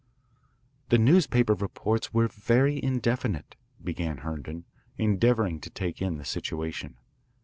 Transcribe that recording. "The newspaper reports were very indefinite," began Herndon, endeavouring to take in the situation.